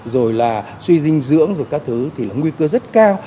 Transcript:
rồi là suy dinh dưỡng rồi các thứ thì là nguy cơ rất cao